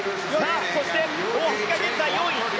そして、大橋が現在４位。